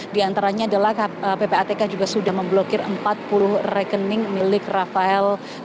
di antaranya adalah ppatk juga sudah memblokir empat puluh rekening milik rafael